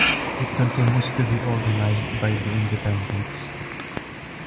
It continues to be organized by The Independents.